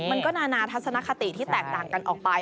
มันก็นานาทัศนคติที่แตกต่างกันออกไป